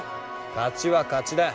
勝ちは勝ちだ。